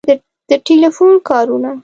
د ټیلیفون کارونه